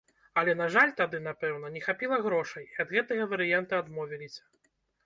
Але, на жаль, тады, напэўна, не хапіла грошай, і ад гэтага варыянта адмовіліся.